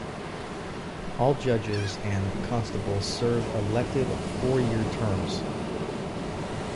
All judges and constables serve elected four-year terms.